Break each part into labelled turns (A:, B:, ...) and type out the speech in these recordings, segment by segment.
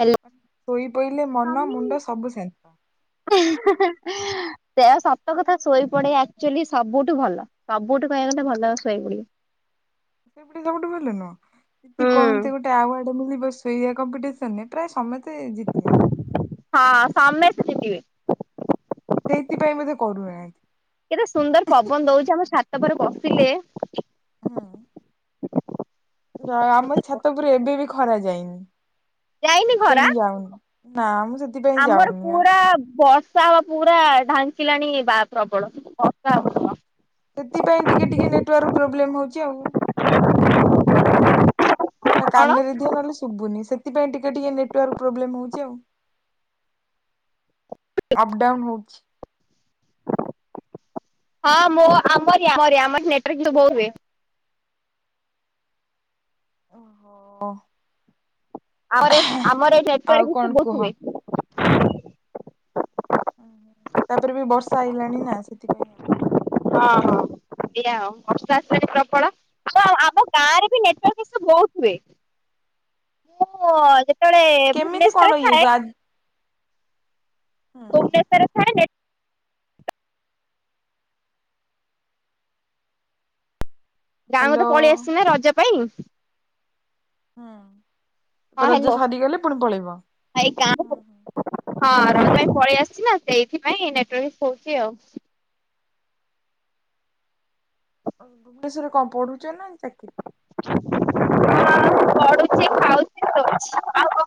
A: Hello.
B: ଶୋଇ ପଇଲେ ମନ ମୁଣ୍ଡ ସବୁ ଶାନ୍ତ।
A: ଦେହ ସତ କଥା ଶୋଇପଡେ ଆକ୍ଚୁଆଲି ସବୁଠୁ ଭଲ। ସବୁଠୁ କହିବାକୁ ଗଲେ ଭଲ ଶୋଇପଡିବ।
B: [inaudible] ସବୁଠୁ ଭଲ ନୁହଁ? ଯିଦି
A: ହଁ
B: କହନ୍ତେ ଗୋଟେ ଆୱାର୍ଡ ମିଳିବ ଶୋଇଆ କମ୍ପିଟିସନରେ ପ୍ରାୟେ ସମସ୍ତେ ଜିତିଯାନ୍ତେ।
A: ହଁ ସମେସ୍ତେ ଜିତିବେ।
B: ସେଇଥିପାଇଁ ବୋଧେ କରୁନାହାନ୍ତି।
A: ଏତେ ସୁନ୍ଦର ପବନ ଦୋଉଚି ଆମ ଛାତ ପରେ ବସିଲେ।
B: ହୁଁ। ମୋ ଆମ ଛାତ ଉପୁରୁ ଏବେ ବି ଖରା ଯାଇନି।
A: ଯାଇନି
B: ସେଥିପାଇଁ
A: ଖରା
B: ମୁ ଯାଉନି। ନା ମୁଁ ସେଥ୍
A: ଆମର ପୁରା ବଷ ର୍ଷା ହବା ପୁରା ଢାଙ୍କିଲାଣି ବା ପ୍ରବଳ ବର୍ଷା ହବ।
B: ସେଥିପାଇଁ ଟିକେ ଟିକେ ନେଟୱାର୍କ ପ୍ରୋବ୍ଲେମ୍ ହୋଉଚି ଆଉ। ନା
A: କଣ
B: କାନରେ ଦିଅ ନହେଲେ ଶୁବୁନି। ସେତିପାଇଁ ଟିକେ ଟିକେ ନେଟୱାର୍କ ପ୍ରୋବ୍ଲେମ ହୋଉଚି ଆଉ। ଆପ୍ ଡାଉନ ହୋଉଛି।
A: ହଁ ମୁଁ ଆମରି ଆମରି ଆମର ନେଟୁୱାର୍କ ଇଷୁ ବୋହୁତ୍ ହୁଏ।
B: ଓ ହୋ।
A: [unintelligible] ଆମର ଏଠି
B: ଆଉ
A: ନେଟଓ୍ବାର୍କ
B: କଣ
A: ଇଶୁ
B: କୁହ?
A: ବହୁତ ହୁଏ।
B: ତାପରେ ବି ବର୍ଷା ଆଇଲାଣି ନା। ସେଥିପାଇଁ ଆଉ।
A: ହଁ -ହଁ ଏୟା ଆଉ। ବର୍ଷା ଆସିଲାଣି ପ୍ରବଳ। ତ ଆମ ଗାଁରେ ବି ନେଟଓ୍ବାର୍କ ଇଶୁ ବହୁତ ହୁଏ। [unintelligible] ଯେତେବେଳେ
B: କେମିତି
A: ଭୁବନେଶ୍ଵରରେ
B: କଣ ଇଏ
A: ଥାଏ
B: ଆ
A: ଭୁବନେଶ୍ଵରରେ ଥାଏ ନେ ଗାଁକୁ ତ
B: ହ୍ୟାଲୋ
A: ପଳେଇ ଆସିଚି ନା ରଜ ପାଇଁ।
B: ହୁଁ।
A: ହଁ
B: ରଜ
A: ହ୍ୟାଲୋ
B: ସାରିଗଲେ ପୁଣି ପଳେଇବ? ହୁଁ ହୁଁ।
A: ହଁ ରଜ୍ ପାଇଁ ପଳେଇ ଆସିଚି ନା ସେଇଥିପାଇଁ ନେଟଓ୍ବାର୍କ ଇଶୁ ହଉଚି ଆଉ।
B: ଓହୋ। ଭୁବନେଶ୍ଵର୍ ରେ କଣ ପଢୁଚ ନା ଚାକିରି?
A: ହଁ ମୁଁ ପଢୁଛି ଖଚି ଖାଉ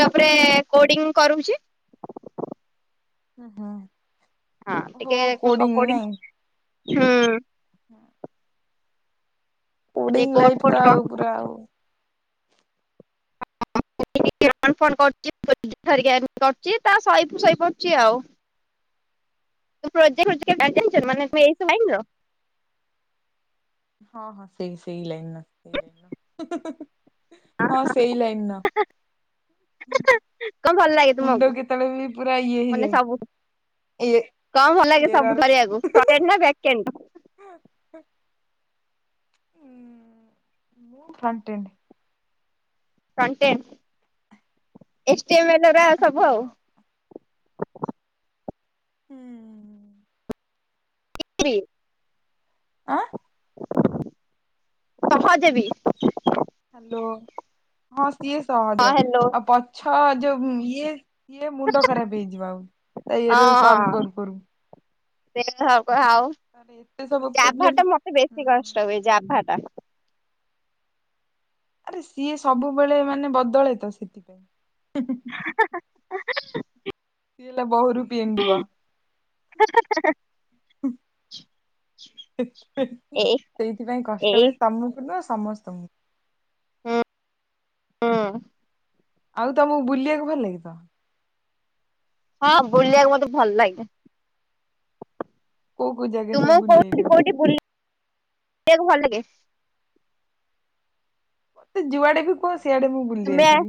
A: [inaudible] କୋଡିଂ କରୁଚି।
B: ଆଁ ହା।
A: ଥା ଟିକେ କକୋଡିଂ
B: [inaudible]
A: ଟିକେ
B: ପୋଡିଙ୍ଗ
A: କୋଡ
B: ଲାଇଫ୍ ତ
A: ଫୋଡ
B: ଆଉ ପୁରା ଆଉ।
A: [unintelligible] ଟା ସାଇଟ ରେ ଶୋଇପଡ଼ିଛି ଆଉ। [unintelligible]
B: ହଁ ହଁ ସେଇ ସେଇଲାଇନର, ସେଇ ଲାଇନ ର। ହିଁ ହିଁ ହିଁ। ହଁ ସେଇ ଲାଇନ୍ ର‌।
A: କଁ ଭଲ୍ ଲାଗେ ତୁମକୁ
B: ଇଏ
A: ମାନେ
B: ହେଇଯାଉଛି
A: ସବୁଠୁ?
B: ଏ
A: କଁ ଭଲାଗେ ସବୁ
B: ଏରର।
A: କରିଆକୁ?
B: [unintelligible] ହୁଁ ମୁଁ ହଣ୍ଟେଡ଼।
A: Frontend. H T M L ରସବୁ
B: ହଁ
A: ଆଉ।
B: ହୁଁ।
A: ଇପ୍ରି।
B: ଆଁ
A: [unintelligible]
B: ହାଲୋ ହଁ ସିଏ
A: ହଁ
B: ସହଜ।
A: ହ୍ୟାଲୋ
B: ଆଉ ପଛ ଯୋଉ ଇଏ ଇଏ ମୁଣ୍ଡ ଖରାପ ହେଇଯିବ ଆଉ। ତା ଇଏରେ
A: ହଁ
B: ସଲଭ୍
A: ହଁ
B: କରୁ କରୁ।
A: [unintelligible] ଆଉ
B: ତାର ଏତେ ସବୁ
A: ଜାଭା
B: ପ୍ରୋବ୍ଲେମ୍ ହୁଁ
A: ଟା ମତେ ବେଶୀ କଷ୍ଟ ହୁଏ ଜାଭା ଟା।
B: ଆରେ ସିଏ ସବୁବେଳେ ମାନେ ବଦଳେ ତ ସେଥିପାଇଁ। ହୁଁ ହୁଁ ସିଏ ହେଲା ବହୁରୁପି ଏଣ୍ଡୁଅ।
A: [unintelligible]
B: ହୁଁ। ହେ ହେ
A: ଏଇ
B: ସେଇଥିପାଇଁ କଷ୍ଟ
A: ଏଇ
B: ହୁଏ ତମକୁ ନୁହଁ, ସମସ୍ତଙ୍କୁ।
A: ହଁ।
B: ଆଉ ତମକୁ ବୁଲିବାକୁ ଭଲ ଲାଗେ ତ?
A: ହଁ, ବୁଲିଆକୁ ମତେ ଭଲ ଲାଗେ।
B: କୋଉ କୋଉ ଜାଗା ସବୁ
A: ତୁମକୁ
B: ବୁଲି
A: କୋଉଠି
B: ଆଇଲଣି?
A: -କୋଉଠି ବୁଲି ବାକୁ ଭଲ ଲାଗେ?
B: ମତେ ଯୁଆଡେ ବି କୁହ ସିଆଡେ ମୁଁ ବୁଲି ଦେଇ
A: ତୁମେ
B: ଆସିବି।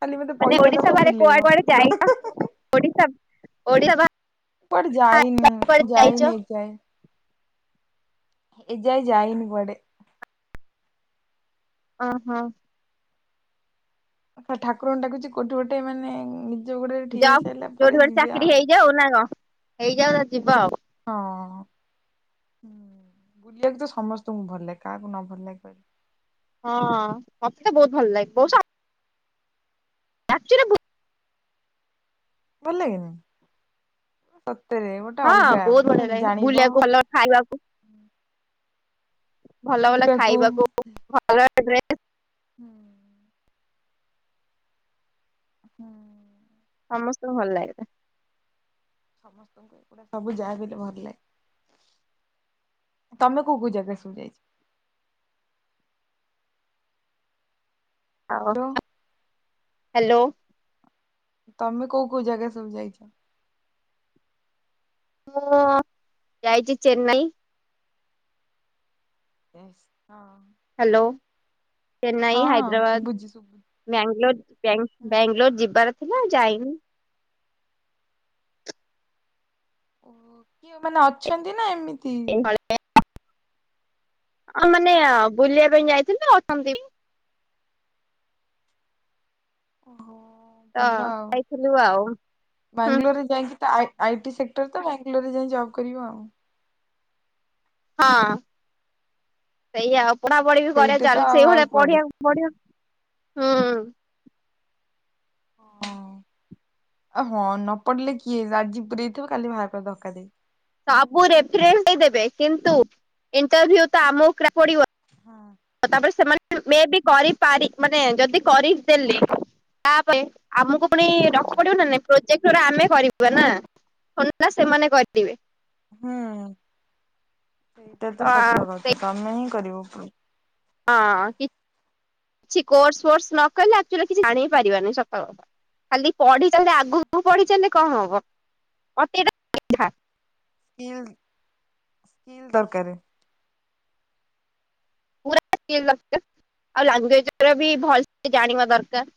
B: ଖାଲି ମତେ ପଇସା ଦବ, ବୁଲେଇବ।
A: ଯାଇନ? ଓଡିଶା, ଓଡିଆ ବା
B: କୁଆଡ଼େ ଯାଇନି।
A: ଯାଇଛ?
B: ଯାଇନି ଏ ଯାଏଁ। ଏ ଯାଏଁ ଯାଇନି କୁଆଡ଼େ।
A: ଅଁ, ହଁ।
B: ଠାକୁରଙ୍କୁ ଡାକୁଛି କୋଠେ ଗୋଟେ ମାନେ ନିଜ ଗୋଡରେ ଠିଆ ହେଇସାରିଲା ପରେ ଯିବେ ଆଉ।
A: ହେ ହଉ ନା କ'ଣ ହେଇଯାଉ ତା ଯିବ ଆଉ।
B: ହଁ ହୁଁ ବୁଲିବାକୁ ତ ସମସ୍ତଙ୍କୁ ଭଲ ଲାଗେ କାହାକୁ ନ ଭଲ ଲାଗେ କହିଲେ।
A: ହଁ ମତେ ବହୁତୁ ଭଲ ଲାଗେ ବଉଷା। [unintelligible]
B: ଭଲ ଲାଗେ ନି ସତରେ ଗୋଟେ
A: ହଁ
B: ଅଲଗା
A: ବହୁତ
B: ମାନେ
A: ବଢିଆ ଲାଗେ
B: ଜାଣିବ।
A: ବୁଲିବାକୁ ଭଲ ଖାଇବାକୁ ଭଲ, ଭଲ
B: ପିନ୍ଧିବାକୁ
A: ଖାଇବାକୁ ଭଲ ଡ୍ରେସ୍।
B: ହୁଁ। ହୁଁ।
A: ସମସ୍ତଙ୍କୁ ଭଲ ଲାଗେ ରେ।
B: ସମସ୍ତଙ୍କୁ ଏଗୁଡା ସବୁ ଯାହାବି ହେଲେ ଭଲ‌ ଲାଗେ। ତମେ କୋଉ କୋଉ ଯାଗା ସବୁ ଯାଇଛି।
A: ଆଉ
B: ହ୍ୟାଲୋ
A: ହା ହ୍ୟାଲୋ।
B: ତମେ କୋଉ, କୋଉ ଜାଗା ସବୁ ଯାଇଛ।
A: ମୁଁ ଯାଇଛି ଚେନ୍ନାଇ।
B: ଇସି ହଁ।
A: ହ୍ୟାଲୋ
B: ତାପରେ
A: ଚେନ୍ନାଇ,
B: ହଁ
A: ହାଇଦ୍ରାବାଦ।
B: ଶୁଭୁଛି ଶୁଭୁଛି
A: ବ୍ୟାଙ୍ଗୋଲୋର ବ୍ୟାଙ୍ଗ
B: ହୁଁ।
A: ବ୍ୟାଙ୍ଗୋଲୋର ଯିବାର ଥିଲା ଯାଇନି।
B: ଓ ହୋ କିଏ ମାନେ ଅଛନ୍ତି ନା ଏମିତି।
A: ହଁ ମାନେ ବୁଲିବା ପାଇଁ ଯାଇଥିଲି ତ ଅଛନ୍ତି।
B: ଓହୋ।
A: ତ
B: ଭଲ ଆଉ।
A: ଯାଇଥିଲୁ ଆଉ। ହୁଁ
B: ବାଙ୍ଗାଲୋରରେ ଯାଇକି ତା ଆଇ ଟି ସେକ୍ଟର ତ। ବ୍ୟାଙ୍ଗାଲୋରରେ ଯାଇ ଜବ୍ କରିବ ଆଉ।
A: ହଁ ସେଇୟା ଆଉ ପଢାପଢି ବି କରିବା
B: ସେଇଟା ତ
A: ଚାଲି
B: ଆଉ ଆଉ
A: ସେଇଭଳିଆ
B: କୁଆଡେ।
A: ପଢିବାକୁ। ପଢ଼ିବାକୁ ହୁଁ।
B: ହଁ ଆଉ ହଁ ନ ପଡିଲେ କିଏ ଆଜି ପୁରେଇ ଥିବ କାଲି ବାହାର କରିଦବ ଧକା ଦେଇ।
A: ସବୁ ରେଫରେନ୍ସ ଦେଇ ଦେବେ କିନ୍ତୁ ଇଣ୍ଟରଭ୍ୟୁ ତ ଆମ ଉପରେ ପଡିବ।
B: ହଁ।
A: ତାପରେ ସେମାନେ ମେ ବି କରିପାରି ମାନେ ଯଦି କରିଦେଲେ ତା ପରେ। ଆମକୁ ପୁଣି ରଖି
B: ହଁ।
A: ପଡିବ ନା ନାଇଁ ପ୍ରୋଜେକ୍ଟ ଗୁରା ଆମେ କରିବୁ। ବନା ଥୋଡିନା ସେମାନେ କରିଥିବେ।
B: ହୁଁ ଏଇଟା ତ ସତ କଥା
A: ସେଇ
B: ତମେ ହିଁ କରିବପୃ
A: ହଁ କିଛି କୋର୍ସ, ଫୋର୍ସ ନ କଲେ ଆକ୍ଚୁଲି କିଛି ଜାଣି ହିଁ ପାରିବାନି ସତକଥା। ଖାଲି ପଢି ଚାଲେ ଆଗୁକୁ ପଢି ଚାଲେ କ'ଣ ହବ ମତେ ଏଟା ଦେଖା।
B: ସ୍କିଲ, ସ୍କିଲ ଦରକାରେ।
A: ପୁରା ସ୍କିଲ ଦରକାରେ ଆଉ ଲାଙ୍ଗୁଏଜେ ଗୁରା ବି ଭଲସେ ଜାଣିବା ଦରକାରେ।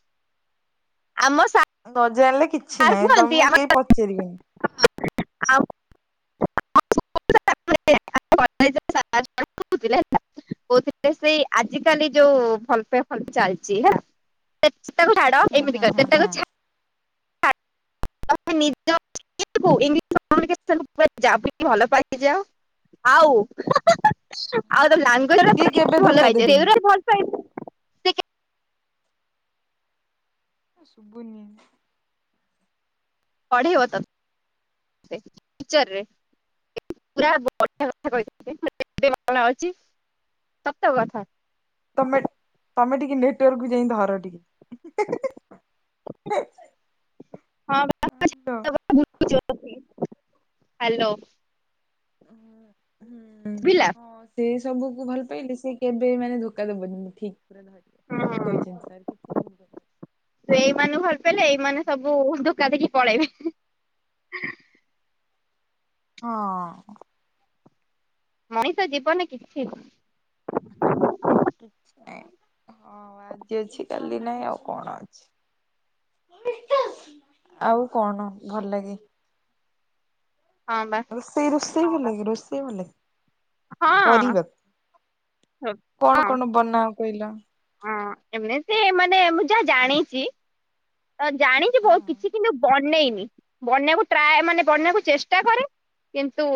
A: ଆମ ସା।
B: ନ ଜାଣିଲେ କିଛି ନାହିଁ ତମକୁ କେହି ପଚାରିବିନି।
A: [inaudible] ଆଉ। [inaudible]
B: [unintelligible]
A: ଆମେ କଥା ହେଇଥିଲେ ସାଢେ ପାଞ୍ଚ ଟା ବେଳୁ ବୁଝିଲେ ହେଲା। କୋଉଥିଲେ ସେଇ ଆଜି କାଲି ଯୋଉ ଫୋନ୍ ପେ, ଫୋନ୍ ପେ ଚାଲିଛି ହେଲା। ଯେ ତାକୁ ଛାଡ
B: ହୁଁ
A: ଏମିତି
B: ହୁଁ ହୁଁ
A: କହିବେ ଯେ
B: ହୁଁ।
A: ତାକୁ ଛାଡ଼ ନି। [unintelligible] ଭଲ ପାକ ଯାଅ ଆଉ [unintelligible] ଆଉ ଲାଙ୍ଗୁଜ
B: ସିଏ କେବେ
A: ଭଲ
B: ଧୋକା ଦେବେନି।
A: ପାଇ ସେ କେମିତି
B: ଶଭୁନି?
A: ପଢ଼େଇବତ କ ସେ ଟିଚରେ ପୁରା ବଢି କଥା କ [unintelligible] ହିଥା ଅ ସତ କଥା।
B: ତମେ ତମେ ଟିକେ ନେଟୱାର୍କ କୁ ଯାଇ ବାହାର ଟିକେ? ହେ ହାଲୋ
A: ବୁଝି ହଉନି? ହ୍ୟାଲୋ
B: ହଁ ହୁଁ
A: ଶୁଭିଲା?
B: ସେ ସବୁକୁ ଭଲ ପାଇଲି ସେ କେବେ ମାନେ ଧୋକା ଦେବନି ଠିକ ପୁରାନ ଭାଇ। ଠିକ କହିଛ ସାର୍ କିଛି ଭୁଲ କଲି?
A: ହୋ ଧୋକା ଦେଇ କି ପଳେଇବି।
B: ହଁ
A: ମଣିଷ ଜୀବନେ କିଛି ନୁହଁ।
B: କିଛି ନାଇଁ ହଁ ଆଜି ଅଛି କାଲି ନାହିଁ ଆଉ କଣ ଅଛି। ଆଉ କଣ ଭଲ ଲାଗେ?
A: ହଁ ବା
B: ରୋଷେଇ ରୋଷେଇ ଭଲ କି ରୋଷେଇ ଭଲ କ
A: ହଁ
B: ପରିବାକୁ
A: ହଁ
B: କଣ କଣ ବନା ହବ କହିଲ?
A: ହଁ ଏମିତି ମାନେ ମୁଁ ଯାହା ଜାଣିଛି ତ ଜାଣିଛି
B: ହଁ
A: ବହୁତ କିଛି କିନ୍ତୁ ବନେଇନି ବନେଇକୁ ଟ୍ରାଏ ମାନେ ବନେଆକୁ ଚେଷ୍ଟା କରେ କିନ୍ତୁ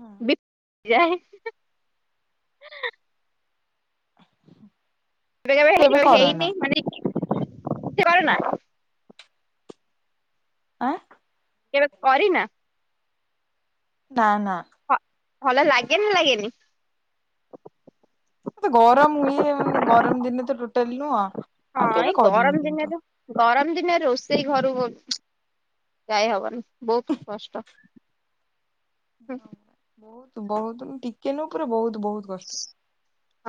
B: ହଁ
A: ବିତ ଯାହେ ଏବେ
B: କିନ୍ତୁ
A: କେବେ ହେଇ
B: କରନା
A: ହେଇନି ମାନେ ବୁଝିପାରୁ ନା।
B: ଆ
A: କେବେ କରିନା?
B: ନା ନା
A: ଭ- ଭଲ ଲାଗେନ ଲାଗେନି?
B: ମତେ ଗରମ ହୁଏ ଗରମ ଦିନେ ତ ଟୋଟାଲି ନୁହଁ ଆଉ
A: ହଁ ଏଇ
B: କେବେ
A: ଗରମ
B: କରିନି କିନ୍ତୁ
A: ଦିନରେ ଗରମ ଦିନେ ରୋଷେଇ ଘରୁ ଗୁ ଯାାଇ ହବନି ବହୁତ କଷ୍ଟ। ହୁଁ,
B: ହ ବହୁତ ବହୁତ ଉଁ ଟିକେ ନୁହେଁ ପୁରା ବହୁତ ବହୁତ କଷ୍ଟ।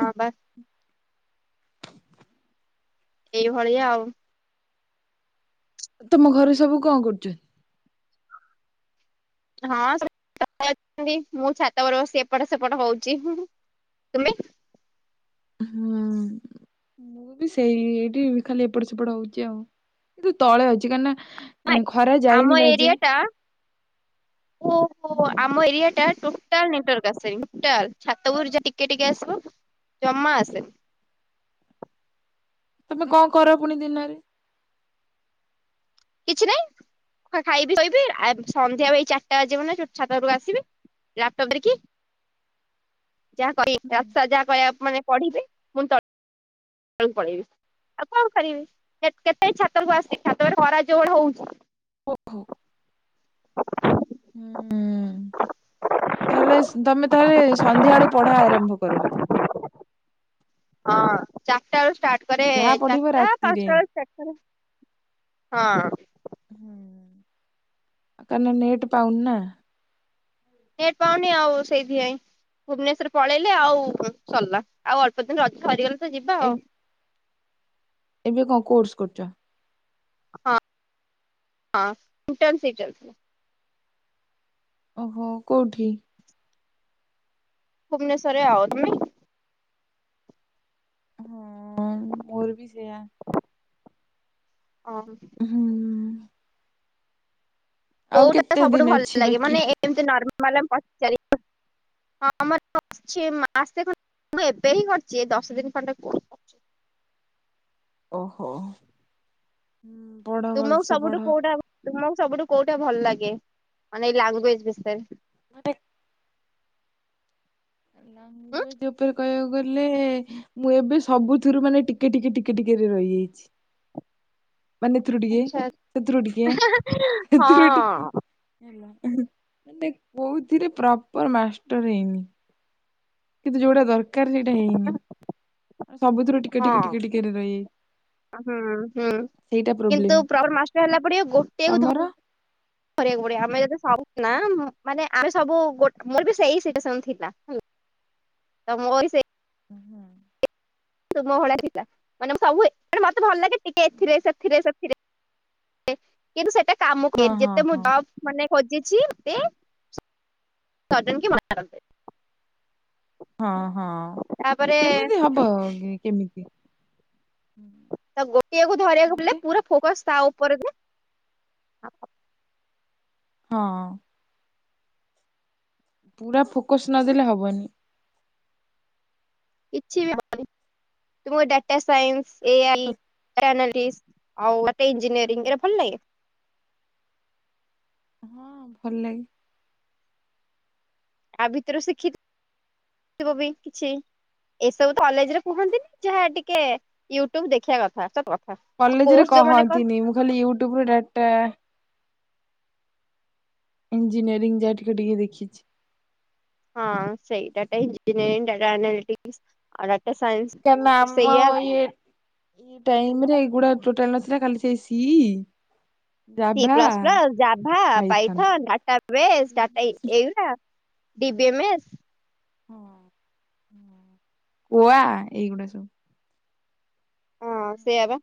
A: ହଁ ବା ଏଇଭଳିଆ ଆଉ।
B: ତୁମ ଘରୁ ସବୁ କଣ କରୁଛୁ?
A: ହଁ ସେମ ଅଛନ୍ତି ମୁଁ ଛାତ ଉପରେ ବସି ଏପଟ ସେପଟ ହଉଛି। ତୁମେ
B: ହୁଁ ମୁଁ ବି ସେଇ ଇଠି ଖାଲି ଏପଟ ସେପଟ ହଉଛି ଆଉ କିନ୍ତୁ ତଳେ ଅଇଛି କା ନା ଖରା
A: ହାଏଁ
B: ଯାଇନି
A: ଆମ
B: ବା
A: ଏରିଆ
B: ଏଯାଏ।
A: ଟା ପୁ ପୁ ଆମ ଏରିଆ ଟା ତୋସ ଟୋଟାଲ ନେଟୱର୍କ ଆସିପାରିବନି ଟୋଟାଲ ଛାତ ରୁଯା ଟିକେ ଟିକେ ଆସିବ ଜମା ଆସେନି।
B: ତମେ କଣ କର ପୁଣି ଦିନରେ?
A: କିଛି ନାହିଁ ଖାଇବି ଶୋଇବି ଆ ସନ୍ଧ୍ୟା ଏଇ ଚାରିଟା ବାଜେ ମାନେ ସୁଟ ଛାତଉପକୁ ଆସିବି ଲାପଟପ ଦେଖିଇ। ଯାହା କଇ ଝାପାସା ଯାହା କହିବା ମାନେ ପଢିବେ। ଯଉ ପଳେଇବେ ଆଉ କଣ କରିବି କେ କେତେ ଛାତକୁ ଆସି ଛାତ ଖରା ଯୋଉଭଳିଆ ହଉଛି।
B: ଓ ଖ। ତାହେଲେ ତମେ ତାଆଲେ ସନ୍ଧ୍ୟା ବଳୁ ପଢା ଆରମ୍ଭ କର ବଧେ।
A: ହଁ ଚାରିଟା ବେଳୁ ଷ୍ଟାର୍ଟ। କରେ
B: ଯାହା ପଢିବ
A: ଚାରିଟା
B: ରାତିରେ।
A: ପାଞ୍ଚଟା ବେଳୁ ଷ୍ଟାର୍ଟ କରେ ହଁ।
B: କାରଣ ନେଟ ପାଉନିନା?
A: ନେଟ ପାଉନି ଆଉ ସେଇଥିପାଇଁ। ଭୁବନେଶର ପଳେଇଲେ ଆଉ ସରିଲା ଆଉ ଅଳ୍ପ ଦିନି ର ସରିଗଲେ ତ ଯିବା
B: ଏ
A: ଆଉ।
B: ଏବେ କ କୋର୍ସ କରୁଚ?
A: ହଁ ହଁ ଇନ୍ଟନସିପ୍ ଚାଲି
B: ଓହୋ କୋଉଠି?
A: ଭୁବନେଶ୍ୱରରେ ଆଉ ତମେ?
B: ହୁଁ ମୋର ବି ସେୟା।
A: ହଁ।
B: ହୁଁ ଆଉ
A: କୋଉଟାା
B: କେତେ
A: ସବୁଠୁ
B: ଦିନ
A: ଭଲ
B: ଅଛି
A: ଲାଗେ
B: ବାକି?
A: ମାନେ ଏମତି ନର୍ମାଲା ପଚାରି ହଁ [inaudible] ଅଛି ମାସେ ଖ ମୁଁ ଏବେ ହିଁ କରିଛି ଦଶ ଦିନି ଖଣ୍ଡେ କୁ
B: ଓହୋ। ବଡ।
A: ତୁମକୁ ସବୁଠୁ କୋଉଠା ତୁମକୁ ସବୁଠୁ କୋଉଠା ଭଲ ଲାଗେ ମାନେ ଲାଗୁକୁ ଏ ବିଷରେ ଥାଏ।
B: ମୋ ଟେ। ହଁ
A: ଉଁ
B: ଲାଗୁଏଜ ଉପରେ କହିବାକୁ ଗଲେ। ହେଲେ ମୁଁ ଏବେ ସବୁଥିରୁ ମାନେ ଟିକେ ଟିକେ ଟିକେ ଟିକେରେ ରହିଯାଇଛି। ମାନେ ଏଥିରୁୁ ଟିକେ
A: ଆଚ୍ଛା
B: ଏଥିରୁ ଟିକେ ଏଥିରୁ
A: ହଁ
B: ଟିକେ। ଟେ କୋଉଥିରେ ପ୍ରପର ମାଷ୍ଟର ହେଇନି। କିନ୍ତୁ ଯୋଉଟା ଦରକାର ସେଇଟା ହେଇନି ସବୁଥିରୁ ଟିକେ ଟିକେ
A: ହଁ
B: ଟିକେ ଟିକେରେ ରହିଯାଇ।
A: ହୁଁ ହୁଁ କିନ୍ତୁ ପ୍ରବଳ ମାଷ୍ଟ ହେଲା ପଡିିବ ଗୋଟିଏ ଧ
B: ତମର?
A: କରିବାକୁ ପଡିବ ଆମେ ଯଦି ସବୁ ନା ମୁଁ ମାନେ ଆମେ ସବୁ ଗୋଟେ ମୋର ବି ସେଇ ସିଚୁଏସନ ଥିଲା ହୁଁ।। ତ ମର ବି ସେଇ।
B: ହୁଁ।
A: ତୁମ ଭହଳି ଦେଖିଥିଲା ମାନେ ସବୁେ ମତେ ଭଲ ଲାଗେ ଟିକେ ଏଥିରେ ସେଥିରେ ସେଥିରେ। କିନ୍ତୁ ସେଇଟା କାମୁ ଏ
B: ହଁ ହଁ
A: ଯେତେ ମୁଁ
B: ହଁ
A: ଜପ୍। ମାନେ ଖୋଜିଛି ମତେ ସଡନ୍ କି ମନାକରିଦିଏ।
B: ହଁ ହଁ
A: ତାପରେ
B: ସେମିତି ହବ କେ କେମିତି?
A: ତ ଗୋଟିଏକୁ ଧରିବାକୁ
B: ତାପରେ
A: ବଲେ ପୁରା ଫୋକସ୍ ତା ଉପରକୁ।
B: ହଁ। ପୁରା ଫୋକସ୍ ନଦେଲେ ହବନି।
A: କିଛି ବି [inaudible] ତୁମକୁ ଡାଟା ସାଇନ୍ସ ଏୟାରଲି
B: ସ
A: ଚାନାଲିସ୍। ଆଉ ଗୋଟେ ଇଞ୍ଜିନିୟରିଂ ଏରା ଭଲ ଲାଗେ?
B: ହଁ ଭଲ ଲାଗେ।
A: ଆ ଭିତରୁ ଶିଖି ଥିବ ବି କିଛି। ଏସବୁ କଲେଜରେ କୁହନ୍ତି ଯାହା ଟିକେ ୟୁଟ୍ୟୁବ ଦେଖିବା କଥା ସ ଭ
B: କଲେଜରେ କହନ୍ତିନି ମୁଁ ଖାଲି ୟୁଟ୍ୟୁବ ର ଡାଟା। ଇଞ୍ଜିନିୟରିଂ ଯାହା ଟିକେ ଟିକେ ଦେଖିଛି।
A: ହଁ ସେଇ ଡାଟା [unintelligible] ଡାଟା ଏନାଲିଟିକ୍ସ ଆଉ ଡାଟା ସାଇନ୍ସ
B: କାରଣ
A: ତ
B: ଆମ
A: ସେଇଆ
B: ଇଏ ଏଇ ଟାଇମ ରେ ଏଇଗୁଡା ଟୋଟାଲ ନଥିଲା ଖାଲି ସେ C Java
A: plus plus Java
B: Python.
A: ପାଇଥ data ବେଶ ଡାଟା ଏଇଗା ଡିିବିଏମ
B: [unintelligible] ଏଇଗୁଡା ସବୁ
A: ହଁ ସେୟାବା।